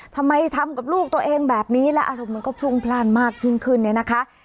ทำไมทำกับลูกตัวเองแบบนี้และอารมณ์มันก็พรุ่งพลาดมากยิ่งขึ้นเนี่ยนะคะ